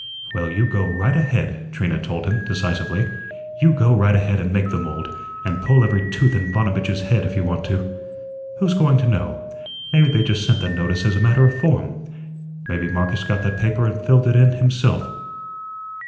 "Well, you go right ahead," Trina told him, decisively; "you go right ahead and make the mould, and pull every tooth in Vanovitch's head if you want to. Who's going to know? Maybe they just sent that notice as a matter of form. Maybe Marcus got that paper and filled it in himself."